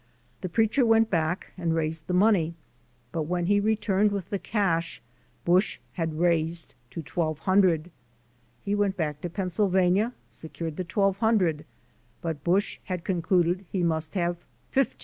The preacher went back and raised the money but when he re turned with the cash Busch had raised to $1200. He went back to Pennsylvania, secured the $1200 but Busch had con cluded he must have $1500.